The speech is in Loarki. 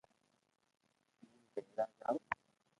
ھون ڀارآ جاُو